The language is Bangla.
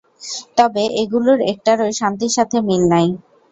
তবে এগুলির একটারো শান্তির সাথে মিল নাই।